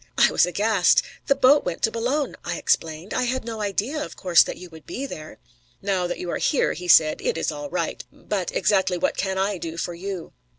I was aghast. "The boat went to Boulogne," I explained. "I had no idea, of course, that you would be there." "Now that you are here," he said, "it is all right. But exactly what can I do for you?"